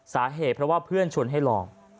สาเหตุเพราะว่าเพื่อนชวนให้ลอง